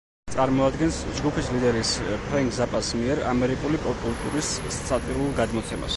წარმოადგენს ჯგუფის ლიდერ ფრენკ ზაპას მიერ ამერიკული პოპ-კულტურის სატირულ გადმოცემას.